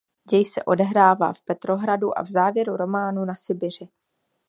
Děj se odehrává v Petrohradu a v závěru románu na Sibiři.